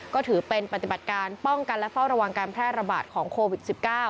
ก็ถือเป็นปฏิบัติการป้องกันและเฝ้าระวังการแพร่ระบาดของโควิด๑๙